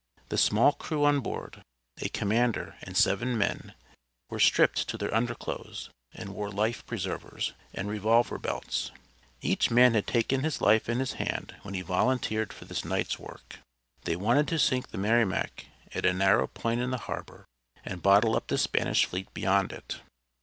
The small crew on board, a commander and seven men, were stripped to their underclothes and wore life preservers and revolver belts. Each man had taken his life in his hand when he volunteered for this night's work. They wanted to sink the Merrimac at a narrow point in the harbor, and bottle up the Spanish fleet beyond it.